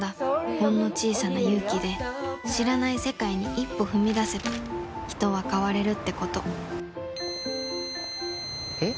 ほんの小さな勇気で知らない世界に一歩踏み出せば人は変われるってことピー！